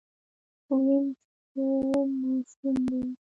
ويم څووم ماشوم دی.